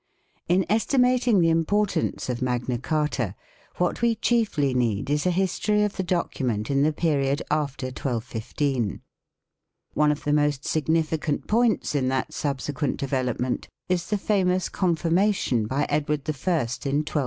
IN estimating the importance of Magna Carta what we chiefly need is a history of the document in the period after I2I5. 1 One of the most significant points in that subsequent development is the famous con firmation by Edward I in 1297.